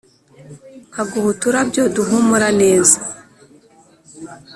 Nkaguha uturabyo duhumura neza